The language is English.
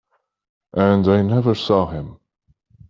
And I never saw him!